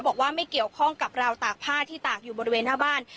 บอกว่าไม่เกี่ยวข้องกับราวตากผ้าที่ตากอยู่บริเวณหน้าบ้าน